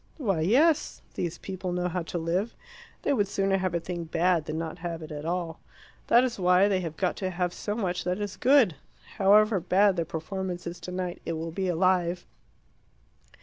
"Why, yes. These people know how to live. They would sooner have a thing bad than not have it at all. That is why they have got to have so much that is good. However bad the performance is tonight, it will be alive.